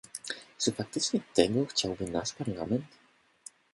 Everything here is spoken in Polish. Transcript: Czy faktycznie tego chciałby nasz Parlament?